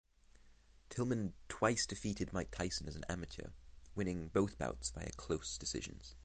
Tillman twice defeated Mike Tyson as an amateur, winning both bouts via close decisions.